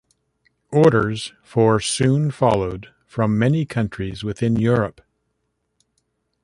Orders for soon followed from many countries within Europe.